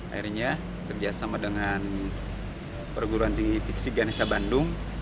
akhirnya kerjasama dengan perguruan di piksiganesa bandung